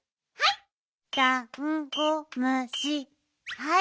はい！